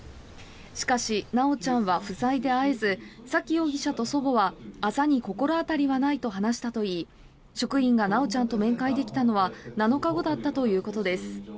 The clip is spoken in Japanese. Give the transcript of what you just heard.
しかし、修ちゃんは不在で会えず沙喜容疑者と祖母はあざに心当たりはないと話したといい職員が修ちゃんと面会できたのは７日後だったということです。